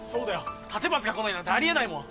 立松が来ないなんてありえないもん。